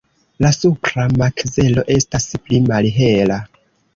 La supra makzelo estas pli malhela.